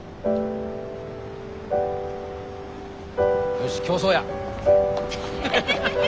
よし競走や。